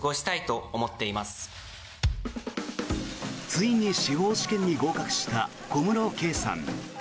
ついに司法試験に合格した小室圭さん。